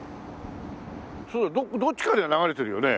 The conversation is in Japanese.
そうどっちかには流れてるよね？